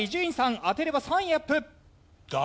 当てれば３位にアップ。